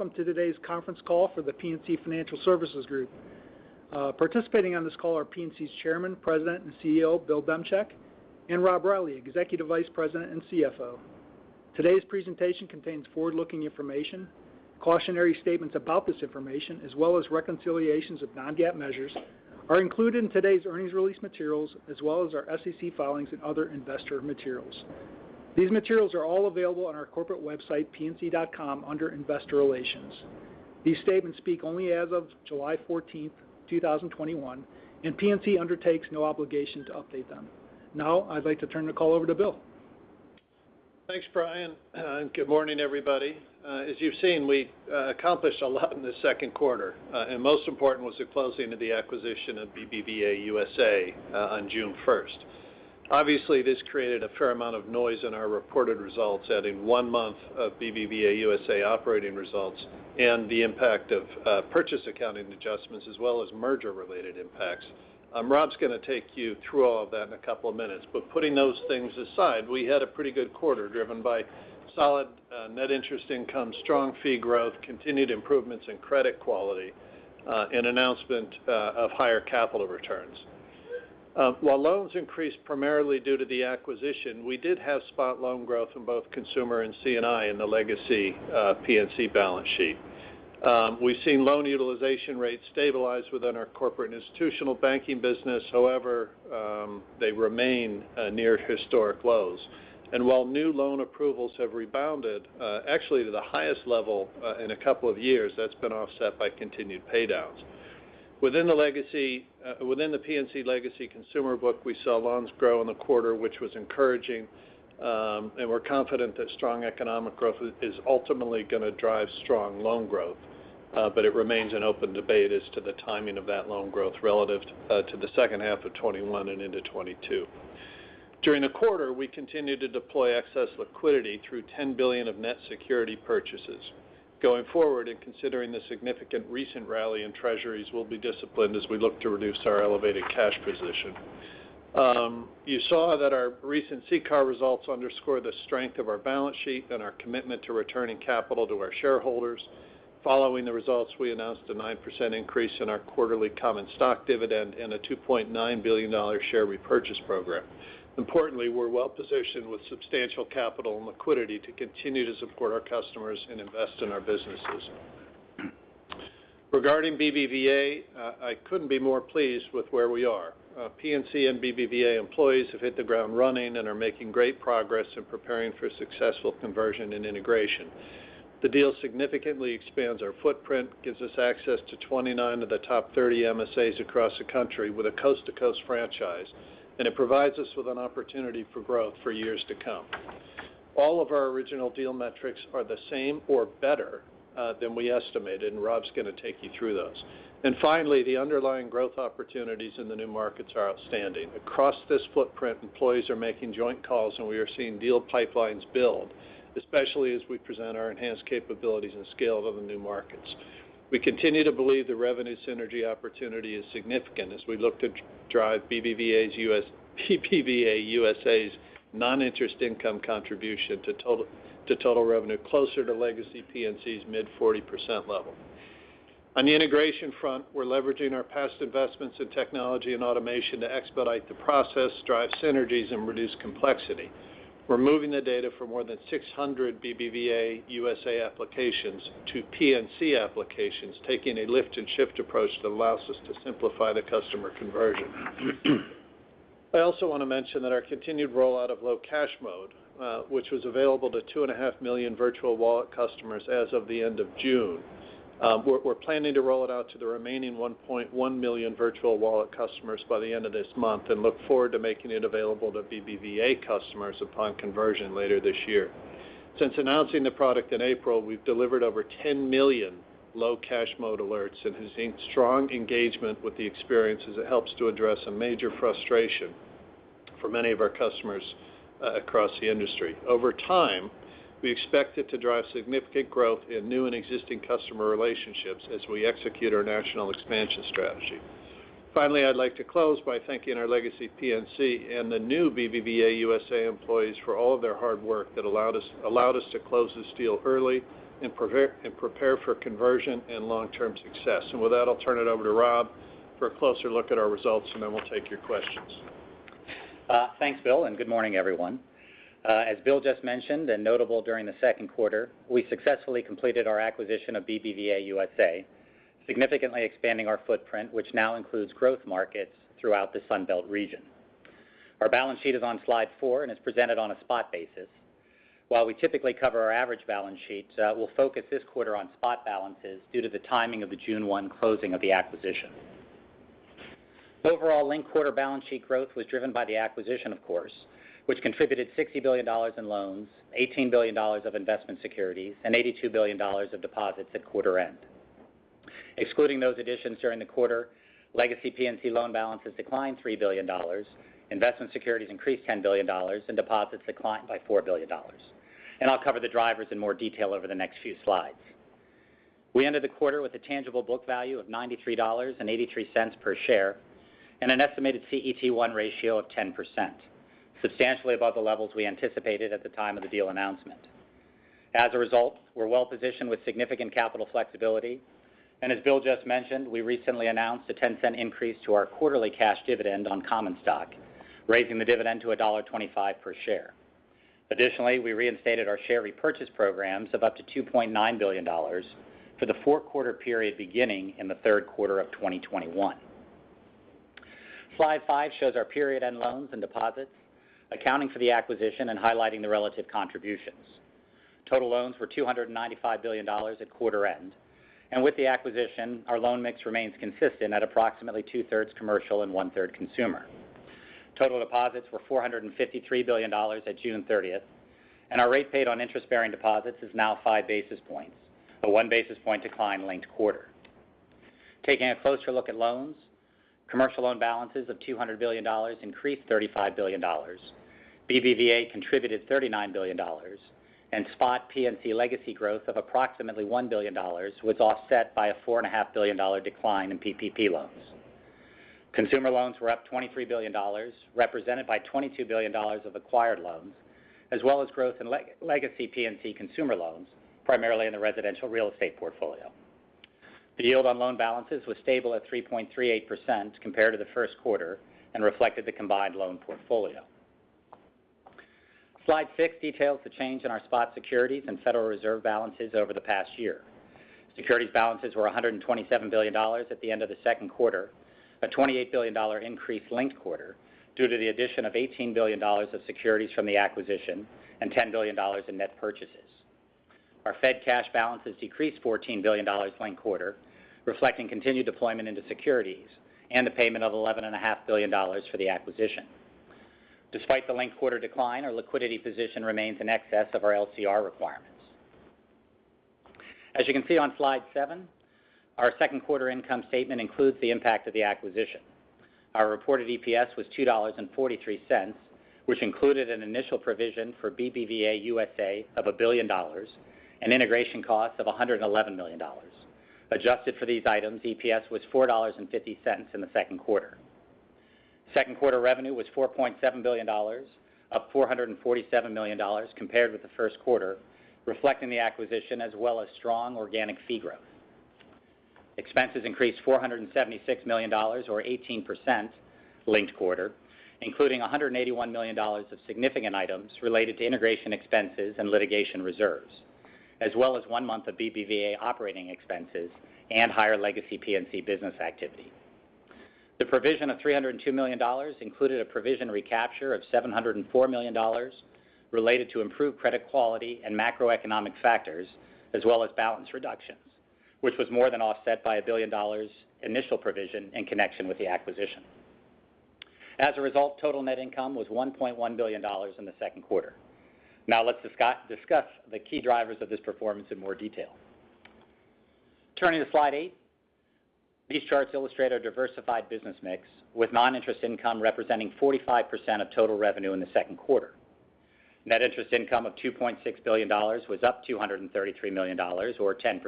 Welcome to today's conference call for The PNC Financial Services Group. Participating on this call are PNC's Chairman, President, and CEO, Bill Demchak, and Rob Reilly, Executive Vice President and CFO. Today's presentation contains forward-looking information. Cautionary statements about this information, as well as reconciliations of non-GAAP measures are included in today's earnings release materials, as well as our SEC filings and other investor materials. These materials are all available on our corporate website, pnc.com, under Investor Relations. These statements speak only as of July 14th, 2021, and PNC undertakes no obligation to update them. Now, I'd like to turn the call over to Bill. Thanks, Bryan, good morning, everybody. As you've seen, we accomplished a lot in the second quarter. Most important was the closing of the acquisition of BBVA USA on June 1st. Obviously, this created a fair amount of noise in our reported results, adding one month of BBVA USA operating results and the impact of purchase accounting adjustments, as well as merger-related impacts. Rob's going to take you through all that in a couple of minutes. Putting those things aside, we had a pretty good quarter driven by solid net interest income, strong fee growth, continued improvements in credit quality, and announcement of higher capital returns. While loans increased primarily due to the acquisition, we did have spot loan growth in both consumer and C&I in the legacy PNC balance sheet. We've seen loan utilization rates stabilize within our corporate institutional banking business. However, they remain near historic lows. While new loan approvals have rebounded actually to the highest level in a couple of years, that's been offset by continued pay-downs. Within the PNC legacy consumer book, we saw loans grow in the quarter, which was encouraging, and we're confident that strong economic growth is ultimately going to drive strong loan growth. It remains an open debate as to the timing of that loan growth relative to the second half of 2021 and into 2022. During the quarter, we continued to deploy excess liquidity through $10 billion of net security purchases. Going forward, and considering the significant recent rally in treasuries, we'll be disciplined as we look to reduce our elevated cash position. You saw that our recent CCAR results underscore the strength of our balance sheet and our commitment to returning capital to our shareholders. Following the results, we announced a 9% increase in our quarterly common stock dividend and a $2.9 billion share repurchase program. Importantly, we're well-positioned with substantial capital and liquidity to continue to support our customers and invest in our businesses. Regarding BBVA, I couldn't be more pleased with where we are. PNC and BBVA employees have hit the ground running and are making great progress in preparing for a successful conversion and integration. The deal significantly expands our footprint, gives us access to 29 of the top 30 MSAs across the country with a coast-to-coast franchise, and it provides us with an opportunity for growth for years to come. All of our original deal metrics are the same or better than we estimated. Rob's going to take you through those. Finally, the underlying growth opportunities in the new markets are outstanding. Across this footprint, employees are making joint calls, and we are seeing deal pipelines build, especially as we present our enhanced capabilities and scale to the new markets. We continue to believe the revenue synergy opportunity is significant as we look to drive BBVA USA's non-interest income contribution to total revenue closer to legacy PNC's mid-40% level. On the integration front, we're leveraging our past investments in technology and automation to expedite the process, drive synergies, and reduce complexity. We're moving the data for more than 600 BBVA USA applications to PNC applications, taking a lift and shift approach that allows us to simplify the customer conversion. I also want to mention that our continued rollout of Low Cash Mode, which was available to 2.5 million Virtual Wallet customers as of the end of June. We're planning to roll it out to the remaining 1.1 million Virtual Wallet customers by the end of this month and look forward to making it available to BBVA customers upon conversion later this year. Since announcing the product in April, we've delivered over 10 million Low Cash Mode alerts and have seen strong engagement with the experience as it helps to address a major frustration for many of our customers across the industry. Over time, we expect it to drive significant growth in new and existing customer relationships as we execute our national expansion strategy. Finally, I'd like to close by thanking our legacy PNC and the new BBVA USA employees for all their hard work that allowed us to close this deal early and prepare for conversion and long-term success. With that, I'll turn it over to Rob for a closer look at our results, and then we'll take your questions. Thanks, Bill, and good morning, everyone. Bill just mentioned, and notable during the second quarter, we successfully completed our acquisition of BBVA USA, significantly expanding our footprint, which now includes growth markets throughout the Sun Belt region. Our balance sheet is on slide four and is presented on a spot basis. While we typically cover our average balance sheets, we'll focus this quarter on spot balances due to the timing of the June 1 closing of the acquisition. Overall linked quarter balance sheet growth was driven by the acquisition, of course, which contributed $60 billion in loans, $18 billion of investment securities, and $82 billion of deposits at quarter end. Excluding those additions during the quarter, legacy PNC loan balances declined $3 billion, investment securities increased $10 billion, and deposits declined by $4 billion. I'll cover the drivers in more detail over the next few slides. We ended the quarter with a tangible book value of $93.83 per share. An estimated CET1 ratio of 10%, substantially above the levels we anticipated at the time of the deal announcement. As a result, we're well positioned with significant capital flexibility. As Bill just mentioned, we recently announced a $0.10 increase to our quarterly cash dividend on common stock, raising the dividend to $1.25 per share. Additionally, we reinstated our share repurchase programs of up to $2.9 billion for the four-quarter period beginning in the third quarter of 2021. Slide five shows our period-end loans and deposits accounting for the acquisition and highlighting the relative contributions. Total loans were $295 billion at quarter end. With the acquisition, our loan mix remains consistent at approximately 2/3 commercial and 1/3 consumer. Total deposits were $453 billion at June 30. Our rate paid on interest-bearing deposits is now 5 basis points, a 1 basis point decline linked quarter. Taking a closer look at loans, commercial loan balances of $200 billion increased $35 billion. BBVA contributed $39 billion, and spot PNC legacy growth of approximately $1 billion was offset by a $4.5 billion decline in PPP loans. Consumer loans were up $23 billion, represented by $22 billion of acquired loans, as well as growth in legacy PNC consumer loans, primarily in the residential real estate portfolio. The yield on loan balances was stable at 3.38% compared to the first quarter, and reflected the combined loan portfolio. Slide six details the change in our spot securities and Federal Reserve balances over the past year. Securities balances were $127 billion at the end of the second quarter, a $28 billion increase linked quarter due to the addition of $18 billion of securities from the acquisition and $10 billion in net purchases. Our Fed cash balances decreased $14 billion linked quarter, reflecting continued deployment into securities, and the payment of $11.5 billion for the acquisition. Despite the linked quarter decline, our liquidity position remains in excess of our LCR requirements. As you can see on slide seven, our second quarter income statement includes the impact of the acquisition. Our reported EPS was $2.43, which included an initial provision for BBVA USA of $1 billion and integration costs of $111 million. Adjusted for these items, EPS was $4.50 in the second quarter. Second quarter revenue was $4.7 billion, up $447 million compared with the first quarter, reflecting the acquisition as well as strong organic fee growth. Expenses increased $476 million or 18% linked-quarter, including $181 million of significant items related to integration expenses and litigation reserves, as well as one month of BBVA operating expenses and higher legacy PNC business activity. The provision of $302 million included a provision recapture of $704 million related to improved credit quality and macroeconomic factors, as well as balance reductions, which was more than offset by $1 billion initial provision in connection with the acquisition. As a result, total net income was $1.1 billion in the second quarter. Let's discuss the key drivers of this performance in more detail. Turning to slide eight, these charts illustrate our diversified business mix, with non-interest income representing 45% of total revenue in the second quarter. Net interest income of $2.6 billion was up $233 million or 10%,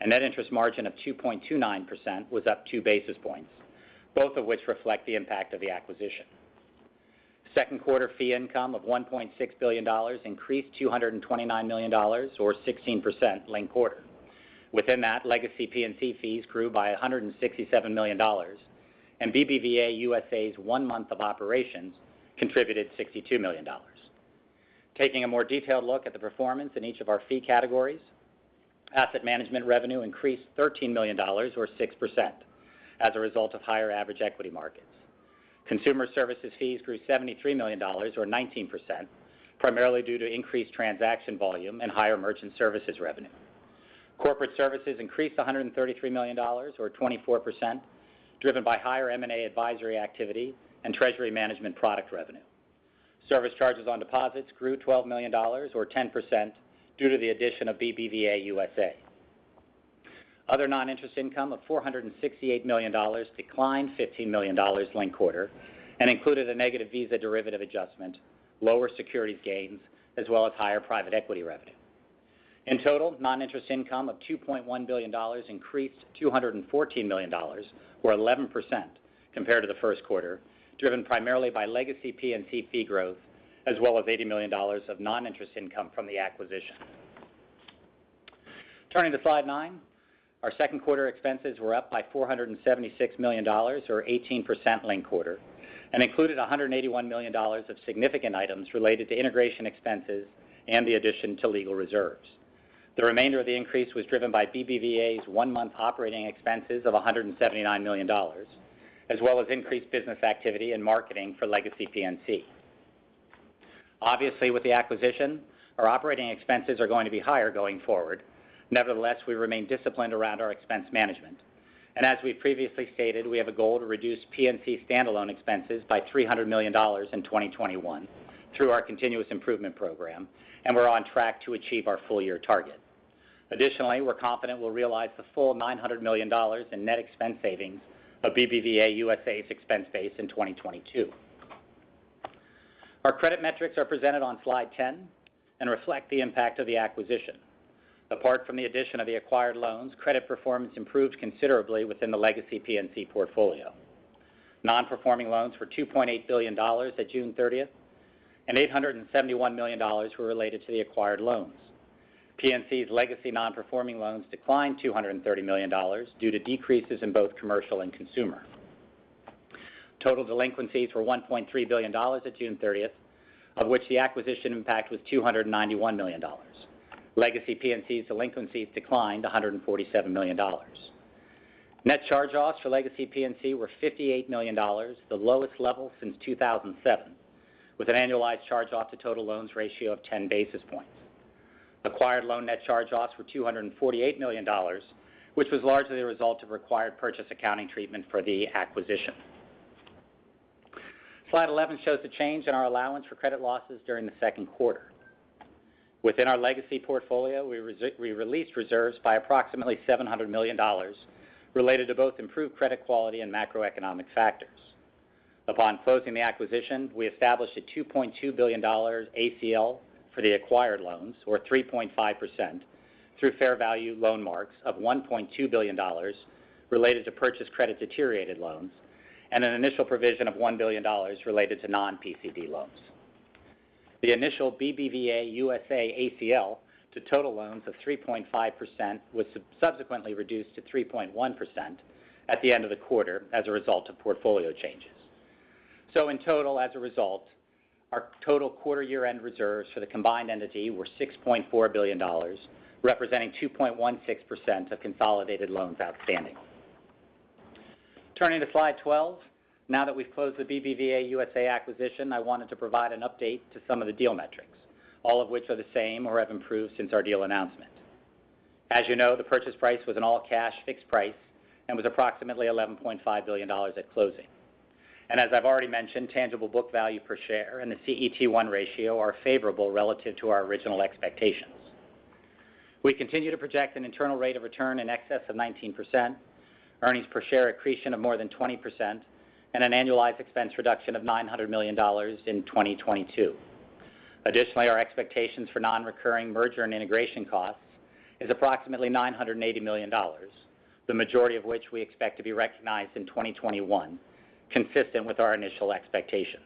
and net interest margin of 2.29% was up 2 basis points, both of which reflect the impact of the acquisition. Second quarter fee income of $1.6 billion increased $229 million or 16% linked quarter. Within that, legacy PNC fees grew by $167 million, and BBVA USA's one month of operations contributed $62 million. Taking a more detailed look at the performance in each of our fee categories, asset management revenue increased $13 million or 6% as a result of higher average equity markets. Consumer services fees grew $73 million or 19%, primarily due to increased transaction volume and higher merchant services revenue. Corporate services increased $133 million or 24%, driven by higher M&A advisory activity and treasury management product revenue. Service charges on deposits grew $12 million or 10% due to the addition of BBVA USA. Other non-interest income of $468 million declined $15 million linked quarter, and included a negative Visa derivative adjustment, lower securities gains, as well as higher private equity revenue. In total, non-interest income of $2.1 billion increased $214 million or 11% compared to the first quarter, driven primarily by legacy PNC fee growth as well as $80 million of non-interest income from the acquisition. Turning to slide nine, our second quarter expenses were up by $476 million or 18% linked quarter, and included $181 million of significant items related to integration expenses and the addition to legal reserves. The remainder of the increase was driven by BBVA's one-month operating expenses of $179 million, as well as increased business activity and marketing for legacy PNC. Obviously, with the acquisition, our operating expenses are going to be higher going forward. Nevertheless, we remain disciplined around our expense management. As we previously stated, we have a goal to reduce PNC standalone expenses by $300 million in 2021 through our continuous improvement program, and we're on track to achieve our full year target. Additionally, we're confident we'll realize the full $900 million in net expense savings of BBVA USA's expense base in 2022. Our credit metrics are presented on slide 10 and reflect the impact of the acquisition. Apart from the addition of the acquired loans, credit performance improved considerably within the legacy PNC portfolio. Non-performing loans were $2.8 billion at June 30th, and $871 million were related to the acquired loans. PNC's legacy non-performing loans declined $230 million due to decreases in both commercial and consumer. Total delinquencies were $1.3 billion at June 30th, of which the acquisition impact was $291 million. Legacy PNC delinquencies declined $147 million. Net charge-offs for Legacy PNC were $58 million, the lowest level since 2007, with an annualized charge-off to total loans ratio of 10 basis points. Acquired loan net charge-offs were $248 million, which was largely a result of required purchase accounting treatment for the acquisition. Slide 11 shows the change in our allowance for credit losses during the second quarter. Within our legacy portfolio, we released reserves by approximately $700 million related to both improved credit quality and macroeconomic factors. Upon closing the acquisition, we established a $2.2 billion ACL for the acquired loans, or 3.5%, through fair value loan marks of $1.2 billion related to purchase credit-deteriorated loans and an initial provision of $1 billion related to non-PCD loans. The initial BBVA USA ACL to total loans of 3.5% was subsequently reduced to 3.1% at the end of the quarter as a result of portfolio changes. In total, as a result, our total quarter year-end reserves for the combined entity were $6.4 billion, representing 2.16% of consolidated loans outstanding. Turning to slide 12, now that we've closed the BBVA USA acquisition, I wanted to provide an update to some of the deal metrics, all of which are the same or have improved since our deal announcement. As you know, the purchase price was an all-cash fixed price and was approximately $11.5 billion at closing. As I've already mentioned, tangible book value per share and the CET1 ratio are favorable relative to our original expectations. We continue to project an internal rate of return in excess of 19%, earnings per share accretion of more than 20%, and an annualized expense reduction of $900 million in 2022. Additionally, our expectations for non-recurring merger and integration costs is approximately $980 million, the majority of which we expect to be recognized in 2021, consistent with our initial expectations.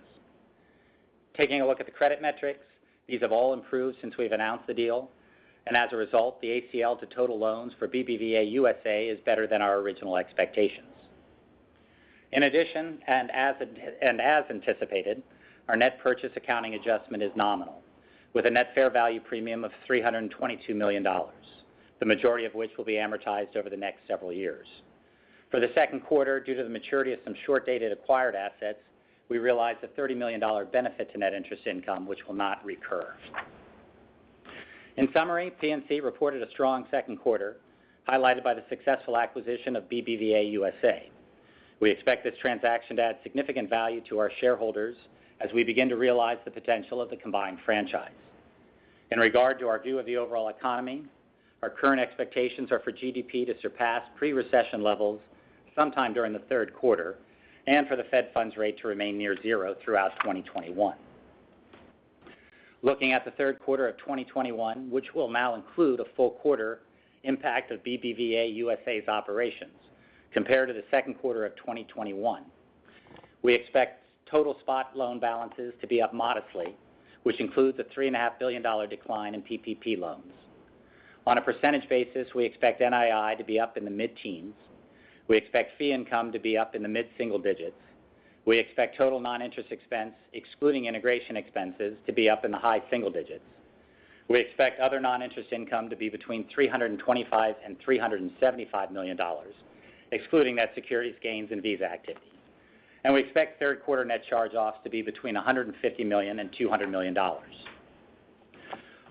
Taking a look at the credit metrics, these have all improved since we've announced the deal, and as a result, the ACL to total loans for BBVA USA is better than our original expectations. In addition, and as anticipated, our net purchase accounting adjustment is nominal, with a net fair value premium of $322 million, the majority of which will be amortized over the next several years. For the second quarter, due to the maturity of some short-dated acquired assets, we realized a $30 million benefit to net interest income, which will not recur. In summary, PNC reported a strong second quarter, highlighted by the successful acquisition of BBVA USA. We expect this transaction to add significant value to our shareholders as we begin to realize the potential of the combined franchise. In regard to our view of the overall economy, our current expectations are for GDP to surpass pre-recession levels sometime during the third quarter, and for the Fed funds rate to remain near zero throughout 2021. Looking at the third quarter of 2021, which will now include a full quarter impact of BBVA USA's operations compared to the second quarter of 2021, we expect total spot loan balances to be up modestly, which includes a $3.5 billion decline in PPP loans. On a percentage basis, we expect NII to be up in the mid-teens. We expect fee income to be up in the mid-single digits. We expect total non-interest expense, excluding integration expenses, to be up in the high single digits. We expect other non-interest income to be between $325 million and $375 million, excluding net securities gains and Visa activity. We expect third quarter net charge-offs to be between $150 million and $200 million.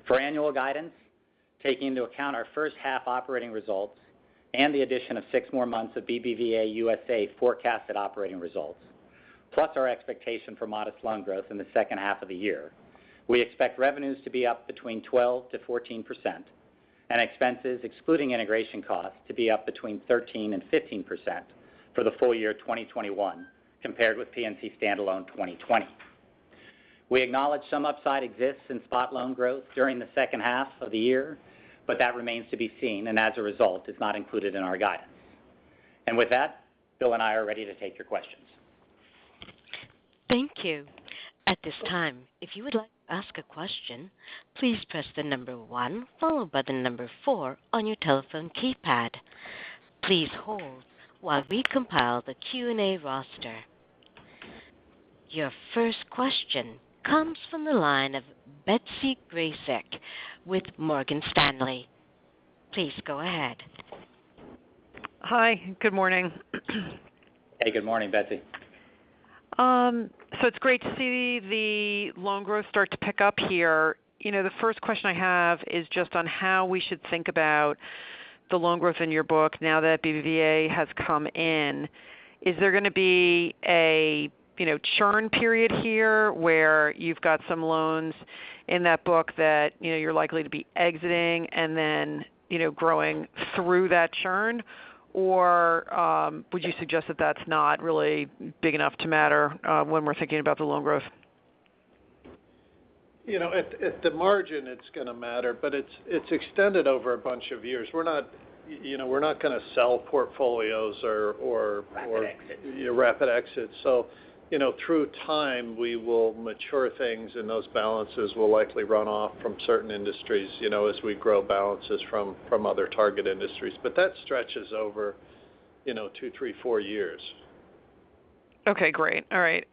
For annual guidance, taking into account our first half operating results and the addition of six more months of BBVA USA forecasted operating results, plus our expectation for modest loan growth in the second half of the year, we expect revenues to be up between 12%-14% and expenses, excluding integration costs, to be up between 13% and 15% for the full year 2021 compared with PNC standalone 2020. We acknowledge some upside exists in spot loan growth during the second half of the year, but that remains to be seen, and as a result, is not included in our guidance. With that, Bill and I are ready to take your questions. Thank you. At this time if you would like to ask a question please press the number one followed by the number four on your telephone keypad. Please hold while we compile the Q&A roster. Your first question comes from the line of Betsy Graseck with Morgan Stanley. Please go ahead. Hi, good morning. Hey, good morning, Betsy. It's great to see the loan growth start to pick up here. The first question I have is just on how we should think about the loan growth in your book now that BBVA has come in. Is there going to be a churn period here where you've got some loans in that book that you're likely to be exiting and then growing through that churn? Would you suggest that that's not really big enough to matter when we're thinking about the loan growth? At the margin it's going to matter, but it's extended over a bunch of years. We're not going to sell portfolios. Rapid exit. Rapid exit. Through time we will mature things and those balances will likely run off from certain industries as we grow balances from other target industries. That stretches over two, three, four years. Okay, great. All right.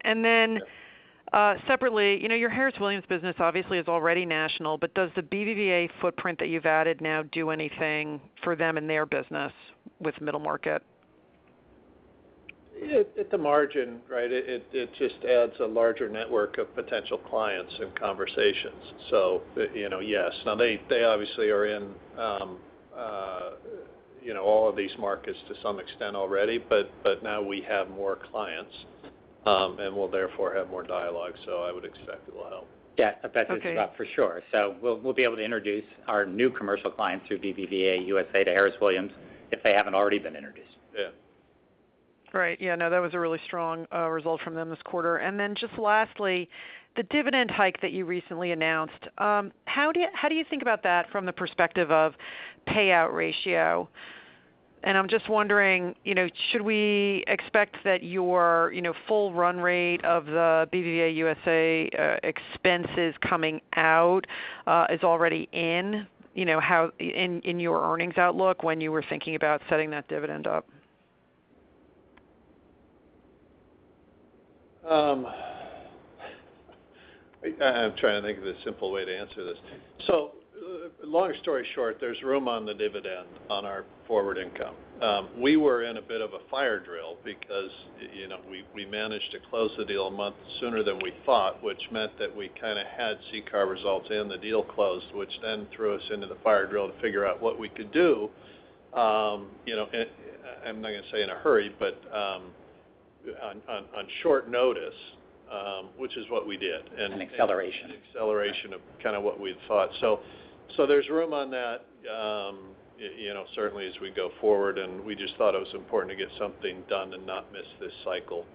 Separately, your Harris Williams business obviously is already national, but does the BBVA footprint that you've added now do anything for them and their business with middle market? At the margin, right? It just adds a larger network of potential clients and conversations. Yes. Now they obviously are in all of these markets to some extent already, but now we have more clients and we'll therefore have more dialogue. I would expect it will help. Yeah. That's for sure. We'll be able to introduce our new commercial clients through BBVA USA to Harris Williams if they haven't already been introduced. Yeah. Great. Yeah, no, that was a really strong result from them this quarter. Just lastly, the dividend hike that you recently announced. How do you think about that from the perspective of payout ratio? I'm just wondering, should we expect that your full run rate of the BBVA USA expenses coming out is already in your earnings outlook when you were thinking about setting that dividend up? I'm trying to think of a simple way to answer this. Long story short, there's room on the dividend on our forward income. We were in a bit of a fire drill because we managed to close the deal a month sooner than we thought, which meant that we kind of had CCAR results and the deal closed, which then threw us into the fire drill to figure out what we could do. I'm not going to say in a hurry, but on short notice, which is what we did. An acceleration. Acceleration of kind of what we'd thought. There's room on that certainly as we go forward, and we just thought it was important to get something done and not miss this cycle,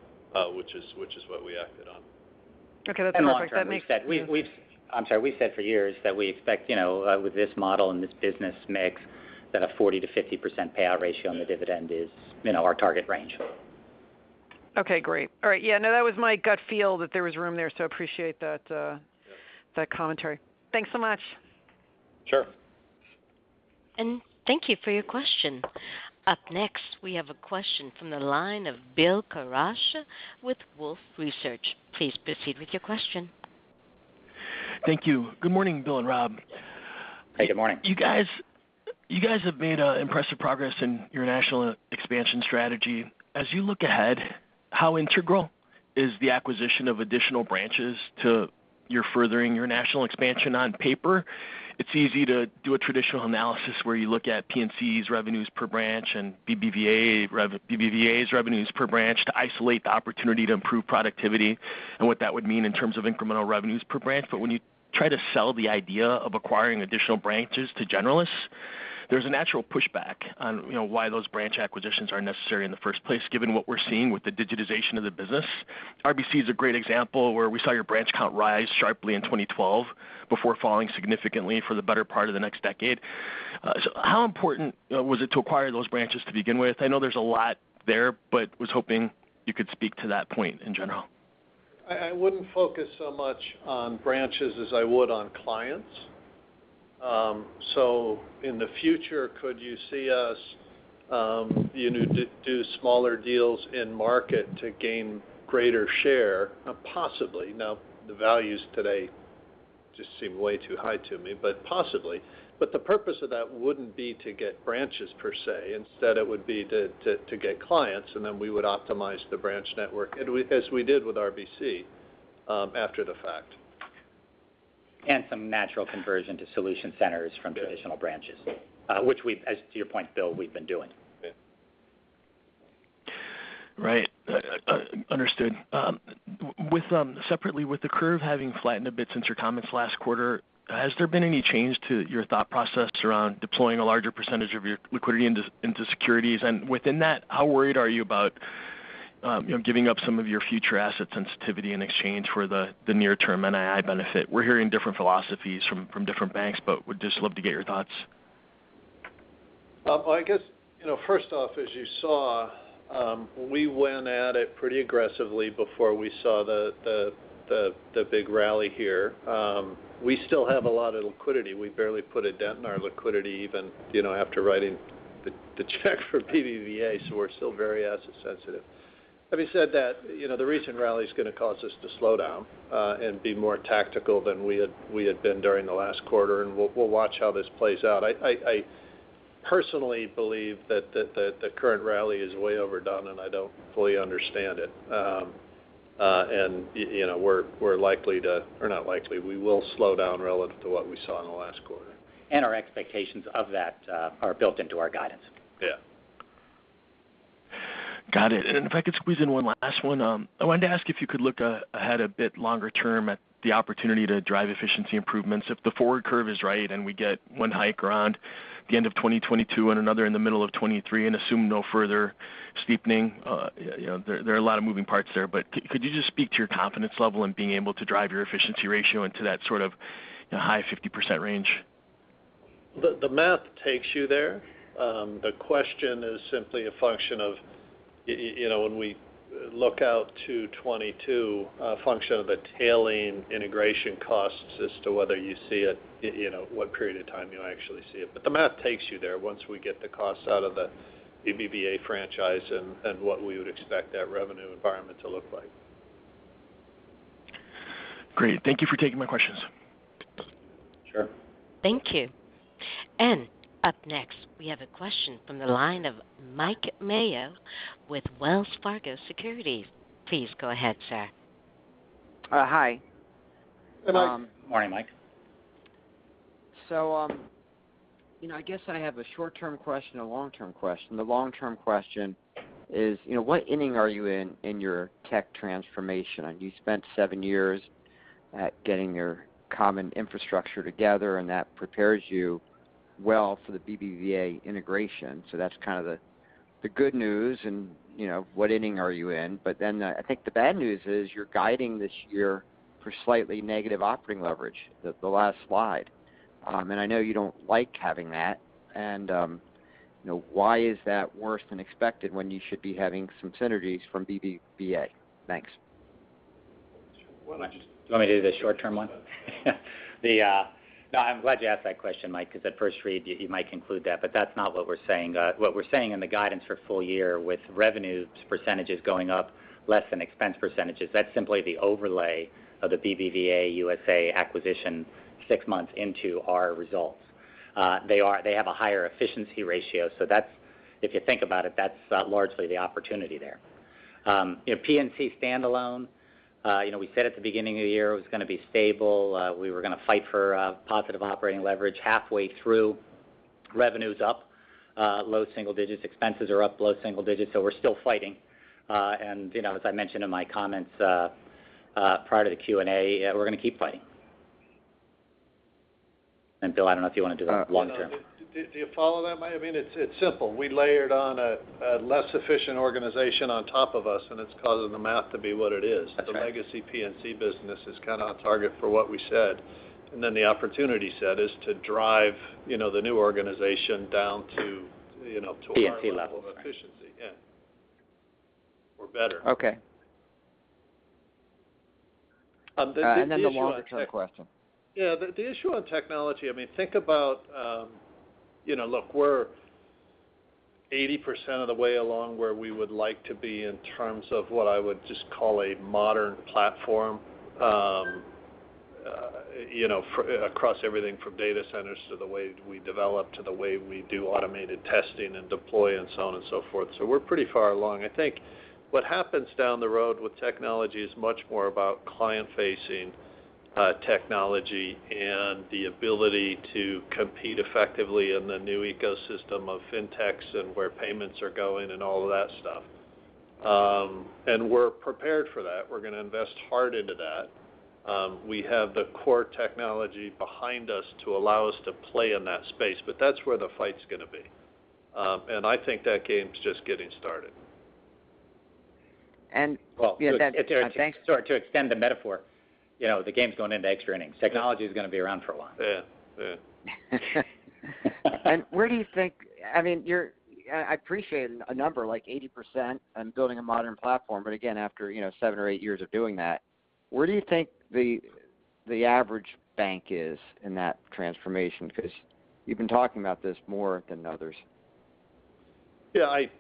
which is what we acted on. Okay. I'm sorry. We've said for years that we expect with this model and this business mix that a 40%-50% payout ratio on the dividend is our target range. Okay, great. All right. Yeah, no, that was my gut feel that there was room there. Appreciate that commentary. Thanks so much. Sure. Thank you for your question. Up next, we have a question from the line of Bill Carcache with Wolfe Research. Please proceed with your question. Thank you. Good morning, Bill and Rob. Hey. Good morning. You guys have made impressive progress in your national expansion strategy. As you look ahead, how integral is the acquisition of additional branches to your furthering your national expansion on paper? It's easy to do a traditional analysis where you look at PNC's revenues per branch and BBVA's revenues per branch to isolate the opportunity to improve productivity and what that would mean in terms of incremental revenues per branch. When you try to sell the idea of acquiring additional branches to generalists, there's a natural pushback on why those branch acquisitions are necessary in the first place given what we're seeing with the digitization of the business. RBC is a great example where we saw your branch count rise sharply in 2012 before falling significantly for the better part of the next decade. How important was it to acquire those branches to begin with? I know there's a lot there, but was hoping you could speak to that point in general. I wouldn't focus so much on branches as I would on clients. In the future, could you see us do smaller deals in market to gain greater share? Possibly. Now the values today just seem way too high to me, but possibly. The purpose of that wouldn't be to get branches per se. Instead it would be to get clients and then we would optimize the branch network as we did with RBC after the fact. Some natural conversion to solution centers from traditional branches which we, as to your point, Bill, we've been doing. Right. Understood. Separately, with the curve having flattened a bit since your comments last quarter, has there been any change to your thought process around deploying a larger percentage of your liquidity into securities? Within that, how worried are you about giving up some of your future asset sensitivity in exchange for the near term NII benefit? We're hearing different philosophies from different banks, but would just love to get your thoughts. I guess first off, as you saw, we went at it pretty aggressively before we saw the big rally here. We still have a lot of liquidity. We barely put a dent in our liquidity even after writing the check for BBVA, so we're still very asset sensitive. Having said that, the recent rally's going to cause us to slow down and be more tactical than we had been during the last quarter, and we'll watch how this plays out. I personally believe that the current rally is way overdone and I don't fully understand it. We're likely to, or not likely, we will slow down relative to what we saw in the last quarter. Our expectations of that are built into our guidance. Yeah. Got it. If I could squeeze in one last one. I wanted to ask if you could look ahead a bit longer term at the opportunity to drive efficiency improvements. If the forward curve is right and we get one hike around the end of 2022 and another in the middle of 2023 and assume no further steepening. There are a lot of moving parts there, but could you just speak to your confidence level in being able to drive your efficiency ratio into that sort of high 50% range? The math takes you there. The question is simply a function of when we look out to 2022, a function of a tailing integration cost as to whether you see it, what period of time you'll actually see it. The math takes you there once we get the cost out of the BBVA franchise and what we would expect that revenue environment to look like. Great. Thank you for taking my questions. Thank you. And up next, we have a question from the line of Mike Mayo with Wells Fargo Securities. Please go ahead, sir. Hi. Good morning, Mike. I guess I have a short-term question and a long-term question. The long-term question is, what inning are you in your tech transformation? You spent seven years at getting your common infrastructure together, and that prepares you well for the BBVA integration. That's kind of the good news and what inning are you in. I think the bad news is you're guiding this year for slightly negative operating leverage, the last slide. I know you don't like having that and why is that worse than expected when you should be having some synergies from BBVA? Thanks. You want me to do the short-term one? I'm glad you asked that question, Mike, because at first read you might conclude that, but that's not what we're saying. What we're saying in the guidance for full year with revenue's percentage is going up less than expense percentage, that's simply the overlay of the BBVA USA acquisition six months into our results. They have a higher efficiency ratio. If you think about it, that's largely the opportunity there. PNC standalone, we said at the beginning of the year it was going to be stable. We were going to fight for positive operating leverage halfway through. Revenue's up low single digits. Expenses are up low single digits. We're still fighting. As I mentioned in my comments prior to the Q&A, we're going to keep fighting. I don't know if you want to do long term. Do you follow that, Mike? I mean, it's simple. We layered on a less efficient organization on top of us, and it's causing the math to be what it is. Okay. The legacy PNC business is kind of on target for what we said. The opportunity set is to drive the new organization. PNC level. Our level of efficiency. Yeah. Or better. Okay. Then the long-term question. Yeah. The issue on technology, I mean, think about, look, we're 80% of the way along where we would like to be in terms of what I would just call a modern platform across everything from data centers to the way we develop to the way we do automated testing and deploy and so on and so forth. We're pretty far along. I think what happens down the road with technology is much more about client-facing technology and the ability to compete effectively in the new ecosystem of fintechs and where payments are going and all of that stuff. We're prepared for that. We're going to invest hard into that. We have the core technology behind us to allow us to play in that space, but that's where the fight's going to be. I think that game's just getting started. And- Well, sorry to extend the metaphor, the game's going into extra innings. Technology's going to be around for a while. Yeah. Where do you think, I mean, I appreciate a number like 80% on building a modern platform, but again, after seven or eight years of doing that, where do you think the average bank is in that transformation? Because you've been talking about this more than others.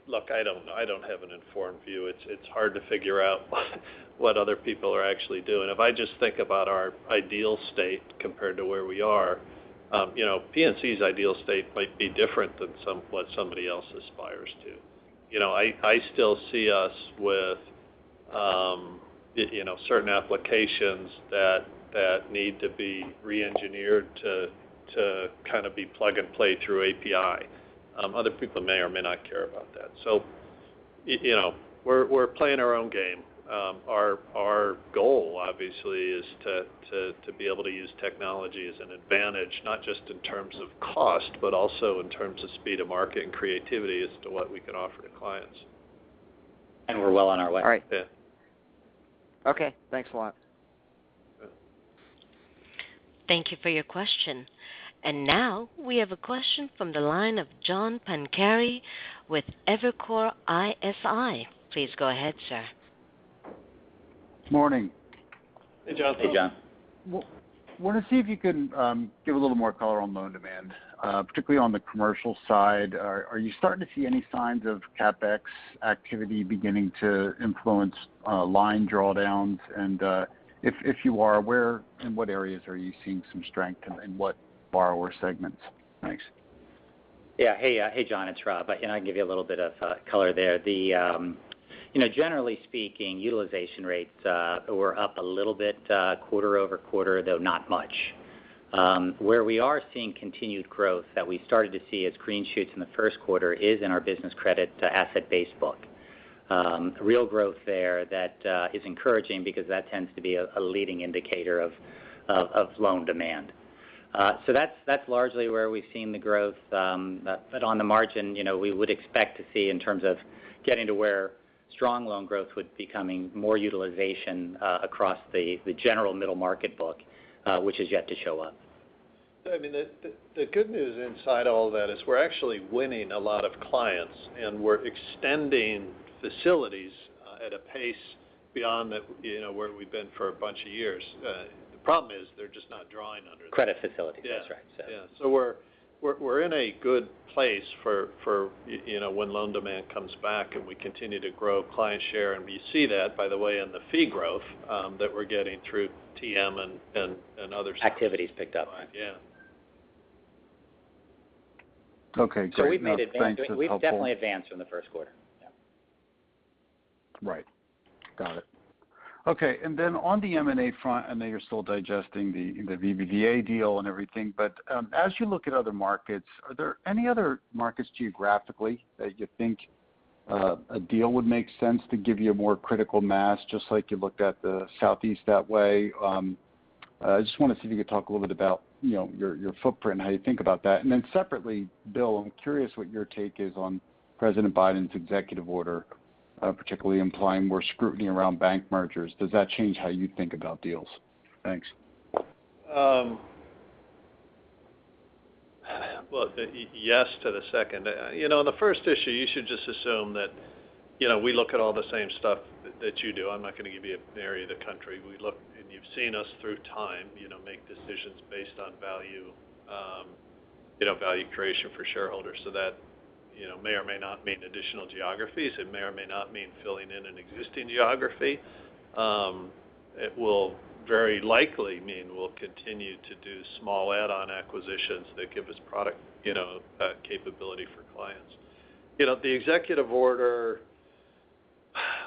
Look, I don't have an informed view. It's hard to figure out what other people are actually doing. If I just think about our ideal state compared to where we are, PNC's ideal state might be different than what somebody else aspires to. I still see us with certain applications that need to be re-engineered to kind of be plug and play through API. Other people may or may not care about that. We're playing our own game. Our goal obviously is to be able to use technology as an advantage, not just in terms of cost, but also in terms of speed of market and creativity as to what we can offer to clients. We're well on our way. Yeah. Okay. Thanks a lot. Yeah. Thank you for your question. Now we have a question from the line of John Pancari with Evercore ISI. Please go ahead, sir. Morning. Hey, John. Hey, John. I want to see if you can give a little more color on loan demand, particularly on the commercial side. Are you starting to see any signs of CapEx activity beginning to influence line drawdowns? If you are, where and what areas are you seeing some strength and in what borrower segments? Thanks. Yeah. Hey, John, it's Rob. I can give you a little bit of color there. Generally speaking, utilization rates were up a little bit quarter-over-quarter, though not much. Where we are seeing continued growth that we started to see as green shoots in the first quarter is in our business credit asset-based book. Real growth there that is encouraging because that tends to be a leading indicator of loan demand. That's largely where we've seen the growth. On the margin, we would expect to see in terms of getting to where, strong loan growth with becoming more utilization across the general middle market book which is yet to show up. The good news inside all that is we're actually winning a lot of clients, and we're extending facilities at a pace beyond where we've been for a bunch of years. The problem is they're just not drawing under it. Credit facilities, right. Yeah. We're in a good place for when loan demand comes back, and we continue to grow client share. You see that, by the way, in the fee growth that we're getting through TM and other stuff. Activities picked up. Yeah. Okay. Great. No, thanks. That's helpful. We've definitely advanced in the first quarter. Yeah. Right. Got it. Then on the M&A front, I know you're still digesting the BBVA deal and everything. As you look at other markets, are there any other markets geographically that you think a deal would make sense to give you a more critical mass, just like you looked at the Southeast that way? I just wondered if you could talk a little bit about your footprint and how you think about that. Then separately, Bill, I'm curious what your take is on President Biden's executive order particularly implying more scrutiny around bank mergers. Does that change how you think about deals? Thanks. Yes to the second. The first issue, you should just assume that we look at all the same stuff that you do. I'm not going to give you an area of the country. We look, and you've seen us through time make decisions based on value creation for shareholders. That may or may not mean additional geographies. It may or may not mean filling in an existing geography. It will very likely mean we'll continue to do small add-on acquisitions that give us product capability for clients. The executive order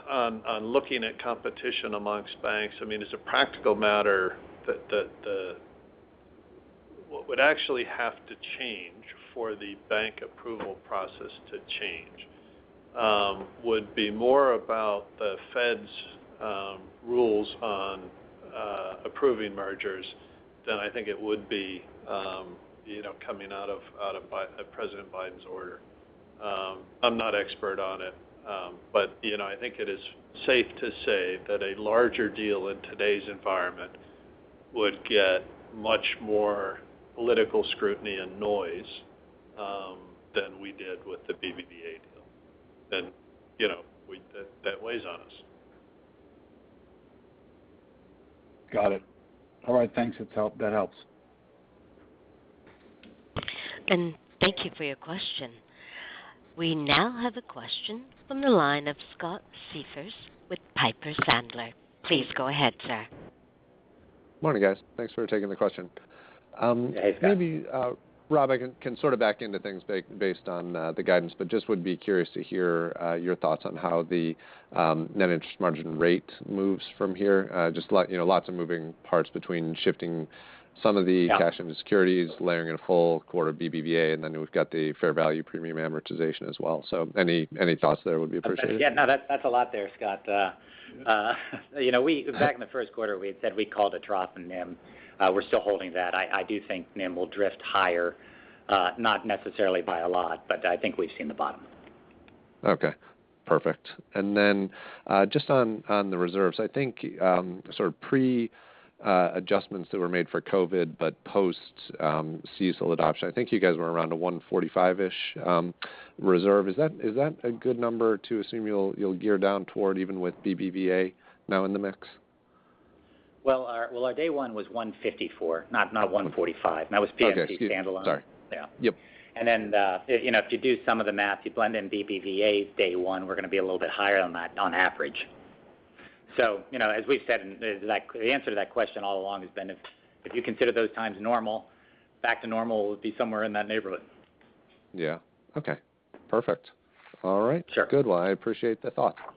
on looking at competition amongst banks, as a practical matter what would actually have to change for the bank approval process to change would be more about the Fed's rules on approving mergers than I think it would be coming out of President Biden's order. I'm not expert on it, but I think it is safe to say that a larger deal in today's environment would get much more political scrutiny and noise than we did with the BBVA deal. That weighs on us. Got it. All right, thanks. That helps. Thank you for your question. We now have a question from the line of Scott Siefers with Piper Sandler. Please go ahead, sir. Morning, guys. Thanks for taking the question. Hey, Scott. Maybe Rob can sort of back into things based on the guidance, but just would be curious to hear your thoughts on how the net interest margin rate moves from here. Just lots of moving parts between shifting some of the cash and securities, layering a full quarter BBVA, and then we've got the fair value premium amortization as well. Any thoughts there would be appreciated. Yeah. No, that's a lot there, Scott. Back in the first quarter, we said we called a trough in NIM. We're still holding that. I do think NIM will drift higher not necessarily by a lot, but I think we've seen the bottom. Okay, perfect. Just on the reserves. I think sort of pre-adjustments that were made for COVID, but post-CECL adoption, I think you guys were around a 145-ish reserve. Is that a good number to assume you'll gear down toward even with BBVA now in the mix? Well, our day one was 154, not 145. That was PNC, Scott. Okay. Sorry. Yep. Yeah. Then if you do some of the math, you blend in BBVA day one, we're going to be a little bit higher on that on average. As we've said, the answer to that question all along has been if you consider those times normal, back to normal would be somewhere in that neighborhood. Yeah. Okay, perfect. All right. Sure. Good. Well, I appreciate the thoughts. Thank you.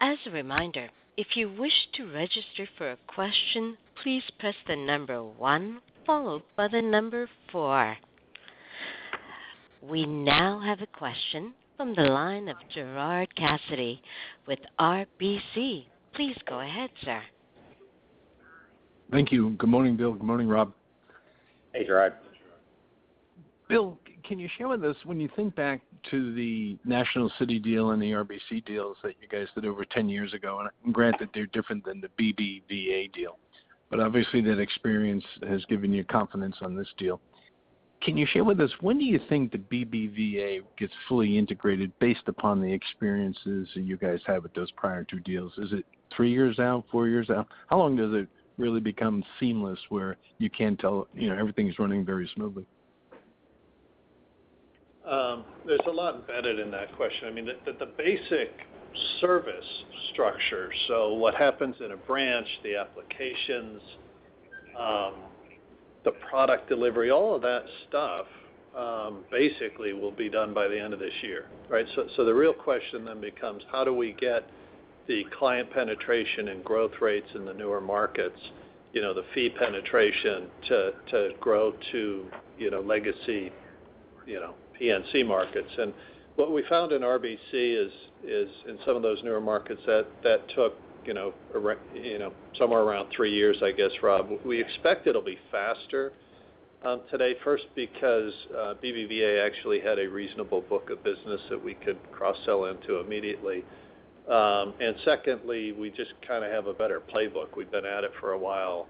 As a reminder, if you wish to register for a question, please press the number one followed by the number four. We now have a question from the line of Gerard Cassidy with RBC. Please go ahead, sir. Thank you. Good morning, Bill. Good morning, Rob. Hey, Gerard. Bill, can you share with us when you think back to the National City deal and the RBC deals that you guys did over 10 years ago, and I grant that they're different than the BBVA deal. Obviously that experience has given you confidence on this deal. Can you share with us when do you think the BBVA gets fully integrated based upon the experiences that you guys have with those prior two deals? Is it three years out, four years out? How long does it really become seamless where you can't tell, everything's running very smoothly? There's a lot embedded in that question. The basic service structure. What happens in a branch, the applications, the product delivery, all of that stuff basically will be done by the end of this year, right? The real question then becomes how do we get the client penetration and growth rates in the newer markets, the fee penetration to grow to legacy PNC markets? What we found in RBC is in some of those newer markets that took somewhere around three years, I guess, Rob. We expect it'll be faster Today, first because BBVA actually had a reasonable book of business that we could cross-sell into immediately. Secondly, we just have a better playbook. We've been at it for a while.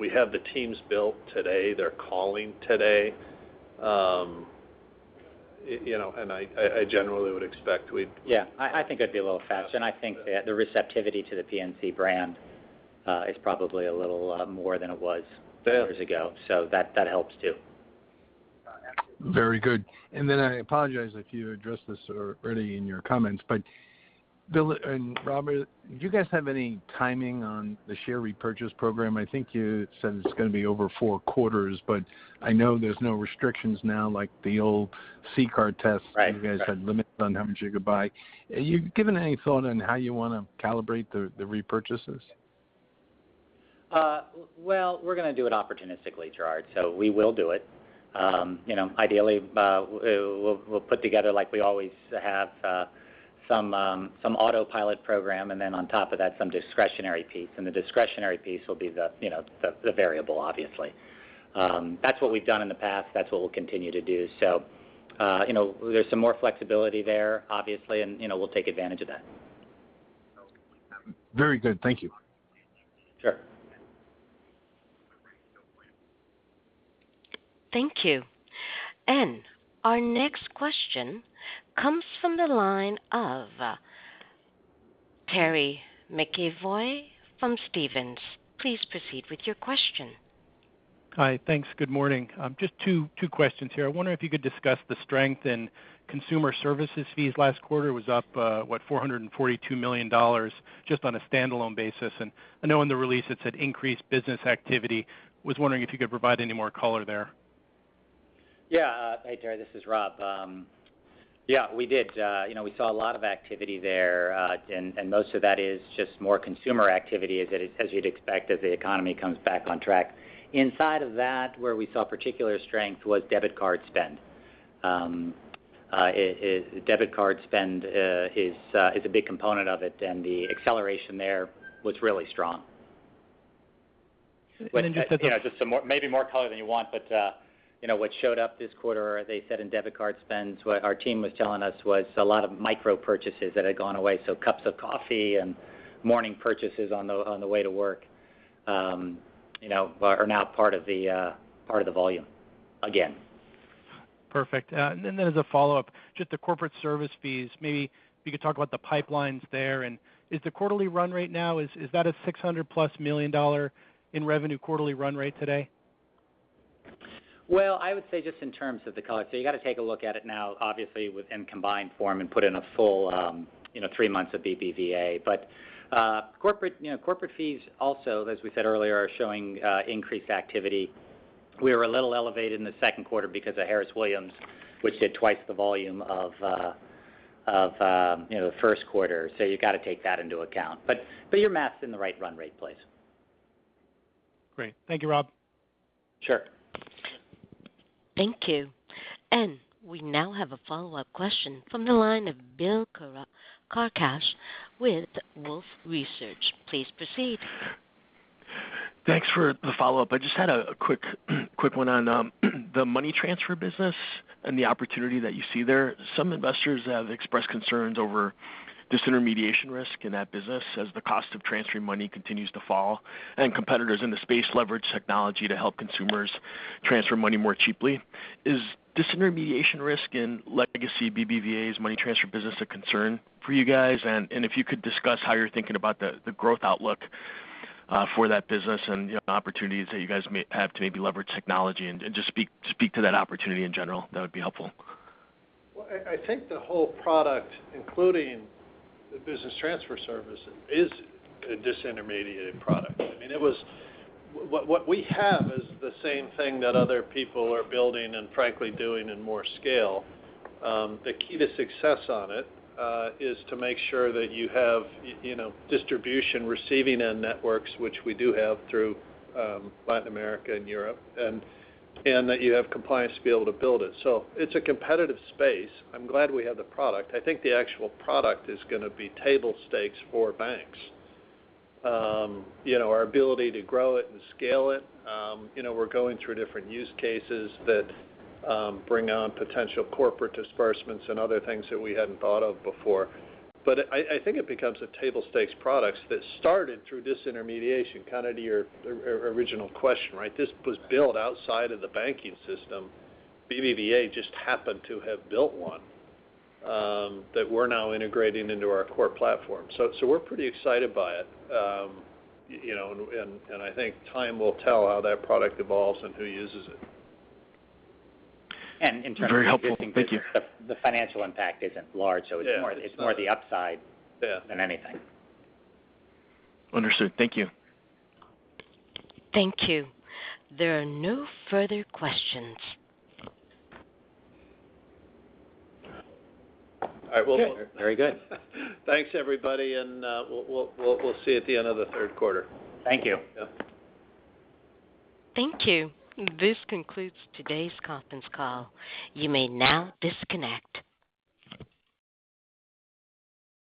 We have the teams built today. They're calling today. I generally would expect Yeah. I think it'd be a little faster, and I think the receptivity to the PNC brand is probably a little more than it was a few years ago, so that helps too. Very good. I apologize if you addressed this already in your comments, but Bill and Robert, do you guys have any timing on the share repurchase program? I think you said it's going to be over four quarters, but I know there's no restrictions now like the old CCAR test. Right You guys had limits on how much you could buy. Have you given any thought on how you want to calibrate the repurchases? Well, we're going to do it opportunistically, Gerard. We will do it. Ideally, we'll put together like we always have some autopilot program, and then on top of that, some discretionary piece, and the discretionary piece will be the variable, obviously. That's what we've done in the past. That's what we'll continue to do. There's some more flexibility there, obviously, and we'll take advantage of that. Very good. Thank you. Sure. Thank you. Our next question comes from the line of Terry McEvoy from Stephens. Please proceed with your question. Hi. Thanks. Good morning. Just two questions here. I wonder if you could discuss the strength in consumer services fees. Last quarter was up $442 million just on a standalone basis. I know in the release it said increased business activity. Was wondering if you could provide any more color there. Yeah. Hey, Terry. This is Rob. Yeah. We did. We saw a lot of activity there, and most of that is just more consumer activity as you'd expect as the economy comes back on track. Inside of that, where we saw particular strength was debit card spend. Debit card spend is a big component of it. The acceleration there was really strong. Just maybe more color than you want, but what showed up this quarter, as I said in debit card spends, what our team was telling us was a lot of micro purchases that had gone away. Cups of coffee and morning purchases on the way to work are now part of the volume again. Perfect. As a follow-up, just the corporate service fees. Maybe you could talk about the pipelines there, and is the quarterly run rate now, is that a $600+ million in revenue quarterly run rate today? I would say just in terms of the color, you've got to take a look at it now, obviously in combined form and put in a full three months of BBVA. Corporate fees also, as we said earlier, are showing increased activity. We were a little elevated in the second quarter because of Harris Williams, which did twice the volume of the first quarter. You've got to take that into account. You're mapping the right run rate place. Great. Thank you, Rob. Sure. Thank you. We now have a follow-up question from the line of Bill Carcache with Wolfe Research. Please proceed. Thanks for the follow-up. I just had a quick one on the money transfer business and the opportunity that you see there. Some investors have expressed concerns over disintermediation risk in that business as the cost of transferring money continues to fall and competitors in the space leverage technology to help consumers transfer money more cheaply. Is disintermediation risk in legacy BBVA's money transfer business a concern for you guys? If you could discuss how you're thinking about the growth outlook for that business and the opportunities that you guys may have to maybe leverage technology and just speak to that opportunity in general, that would be helpful. Well, I think the whole product, including the business transfer service, is a disintermediated product. What we have is the same thing that other people are building and frankly doing in more scale. The key to success on it is to make sure that you have distribution receiving end networks, which we do have through Latin America and Europe, and that you have compliance to be able to build it. It's a competitive space. I'm glad we have the product. I think the actual product is going to be table stakes for banks. Our ability to grow it and scale it. We're going through different use cases that bring on potential corporate disbursements and other things that we hadn't thought of before. I think it becomes a table stakes product that started through disintermediation, kind of to your original question, right? This was built outside of the banking system. BBVA just happened to have built one that we're now integrating into our core platform. We're pretty excited by it. I think time will tell how that product evolves and who uses it. And in terms of- Very helpful. Thank you. The financial impact isn't large, so it's more the upside than anything. Understood. Thank you. Thank you. There are no further questions. All right. Well, very good. Thanks everybody. We'll see you at the end of the third quarter. Thank you. Yeah. Thank you. This concludes today's conference call. You may now disconnect.